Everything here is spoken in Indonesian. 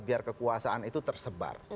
biar kekuasaan itu tersebar